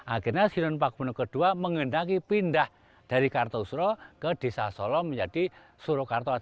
akhirnya sinuun pakubun ii mengendaki pindah dari kartosura ke desa solo menjadi surakarta